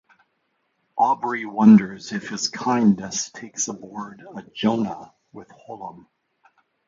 Aubrey wonders if his kindness takes aboard a Jonah with Hollom.